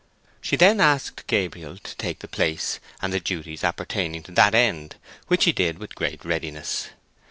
She then asked Gabriel to take the place and the duties appertaining to that end, which he did with great readiness.